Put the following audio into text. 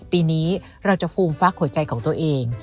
ปีนี้เราจะฟูมฟักหัวใจของตัวเอง